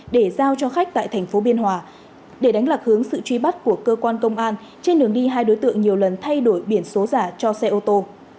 để giao cho khách tại thành phố biên hòa để đánh lạc hướng sự truy bắt của cơ quan công an trên đường đi hai đối tượng nhiều lần thay đổi biển số giả cho xe ô tô